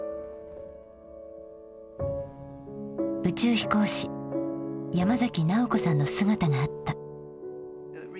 宇宙飛行士山崎直子さんの姿があった。